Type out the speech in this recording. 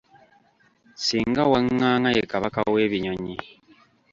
Singa Wangaanga ye Kabaka w'ennyonyi.